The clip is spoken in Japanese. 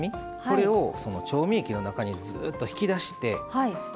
これを調味液の中にずっと引き出して。